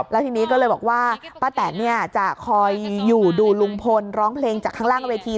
แล้วทีนี้ก็เลยบอกว่าป้าแตนจะคอยอยู่ดูลุงพลร้องเพลงจากข้างล่างเวที